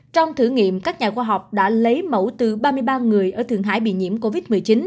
trong thử nghiệm các nhà khoa học đã lấy mẫu từ ba mươi ba người ở thượng hải bị nhiễm covid một mươi chín